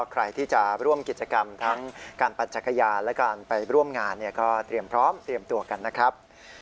ใครที่จะร่วมกิจกรรมทั้งการปั่นจักรยานและการไปร่วมงานก็เตรียมพร้อมเตรียมตัวกันนะครับ